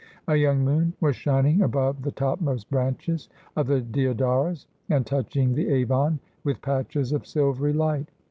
A young moon was shining above the topmost branches of the deodaras, and touching the Avon with patches of silvery light.